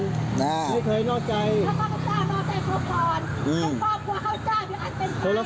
ด้วยวัน๑๑พันธกาล